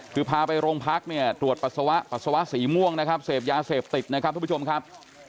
คือพาไปโรงพักเนี่ยตรวจปัสสาวะปัสสาวะสีม่วงนะครับเสพยาเสพติดนะครับทุกผู้ชมครับ